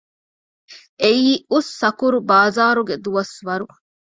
އެއީ އުއްސަކުރު ބާޒާރުގެ ދުވަސްވަރު